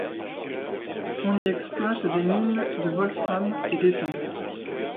On y exploite des mines de wolfram et d'étain.